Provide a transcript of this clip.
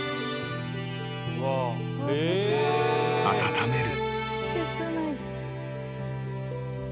［温める］